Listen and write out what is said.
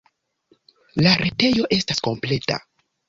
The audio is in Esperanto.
La retejo estas kompleta.